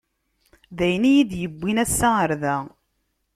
D ayen i yi-d-yewwin assa ɣer da.